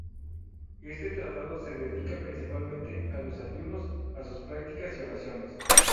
Este tratado se dedica principalmente a los ayunos, a sus prácticas y oraciones.